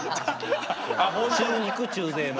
中肉中背の。